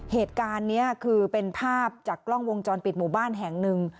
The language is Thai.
เหตุการณ์นี้คือเป็นภาพจากกล้องวงจรปิดหมู่บ้านแห่งหนึ่ง